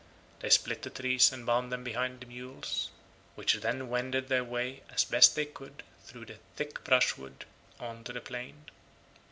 They split the trees and bound them behind the mules, which then wended their way as they best could through the thick brushwood on to the plain.